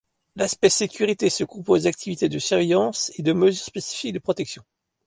L'aspect sécurité se compose d'activités de surveillance et de mesures spécifiques de protection.